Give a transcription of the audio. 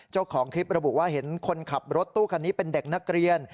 เจ้าของคลิประบุว่าเห็นคนขับรถตู้คันนี้เป็นเด็กนักเรียน